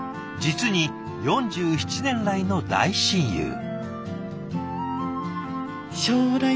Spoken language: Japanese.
実に４７年来の大親友。